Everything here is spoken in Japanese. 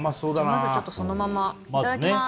まずちょっとそのままいただきます！